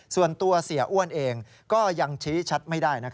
ส่วนตัวเสียอ้วนเองก็ยังชี้ชัดไม่ได้